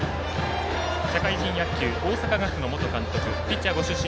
社会人野球、大阪ガスの元監督ピッチャーご出身